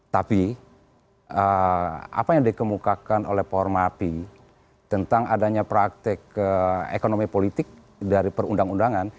tapi apa yang dikemukakan oleh formapi tentang adanya praktek ekonomi politik dari perundang undangan